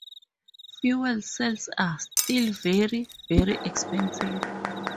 Fuel cells are "still very, very expensive".